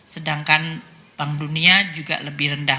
sedangkan bank dunia juga lebih rendah